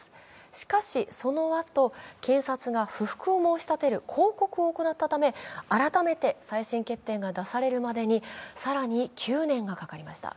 しかし、そのあと検察が不服を申し立てる抗告を行ったため改めて再審決定が出されるまでに更に９年がかかりました。